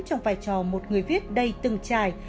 trong vai trò một người viết đầy từng trài